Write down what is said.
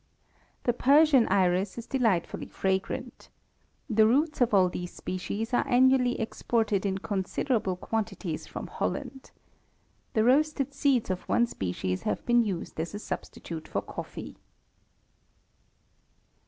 The Persian iris is delightfully fragrant. The roots of all these species are annually exported in considerable quantities from Holland. The roasted seeds of one species have been used as a substitute for coffee.